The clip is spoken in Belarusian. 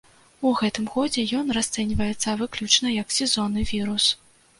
У гэтым годзе ён расцэньваецца выключна як сезонны вірус.